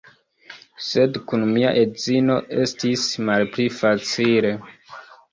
Sed kun mia edzino estis malpli facile.